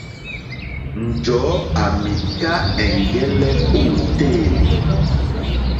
Njɔ̀ɔ́ à mìká ɛ̀ŋgɛ́lɛ́ ô téèlì.